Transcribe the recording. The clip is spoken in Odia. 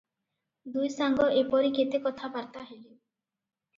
ଦୁଇସାଙ୍ଗ ଏପରି କେତେ କଥାବାର୍ତ୍ତା ହେଲେ ।